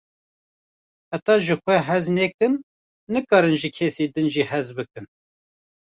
Heta ji xwe hez nekin, nikarin ji kesên din jî hez bikin.